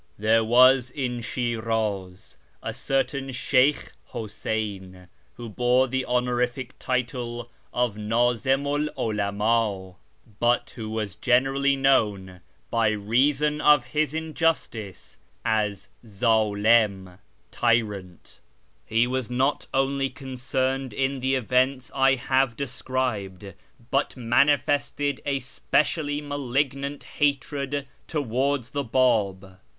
There was in Shi'raz a certain Sheykh Huseyn, who bore the honorific title of JVdzimu 'I Ulamdjhnt who was generally known, by reason of his injustice, as 'Zdlim' ('Tyrant'). He was not only concerned in the events I have described, but manifested a speci ally malignant hatred towards the Bab.